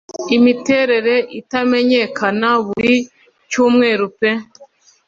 Imiterere itamenyekana buri cyumweru pe